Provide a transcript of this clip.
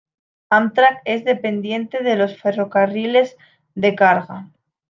Amtrak es dependiente de los ferrocarriles de carga.